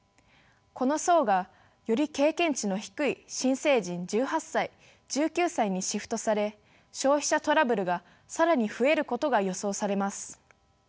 この層がより経験値の低い新成人１８歳１９歳にシフトされ消費者トラブルが更に増えることが予想されます。